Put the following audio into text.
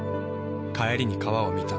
帰りに川を見た。